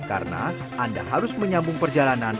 karena anda harus menyambung perjalanan